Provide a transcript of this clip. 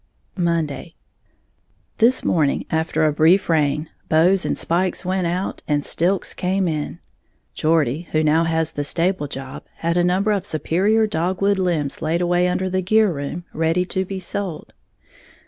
Monday. This morning, after a brief reign, bows and spikes went out, and "stilks" came in. Geordie, who now has the stable job, had a number of superior dogwood limbs laid away under the gear room, ready to be sold.